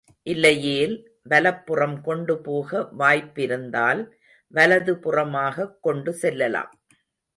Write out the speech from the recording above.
இல்லையேல், வலப்புறம் கொண்டு போக வாய்ப்பிருந்தால், வலதுபுறமாகக் கொண்டு செல்லலாம்.